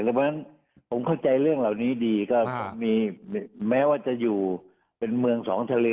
เพราะฉะนั้นผมเข้าใจเรื่องเหล่านี้ดีก็ผมมีแม้ว่าจะอยู่เป็นเมืองสองทะเล